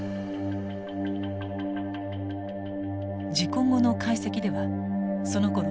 事故後の解析ではそのころ